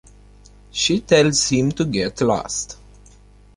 She tells him to get lost.